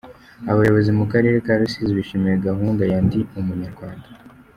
Abayobozi mu karere ka Rusizi bishimiye gahunda ya "Ndi Umunyarwanda".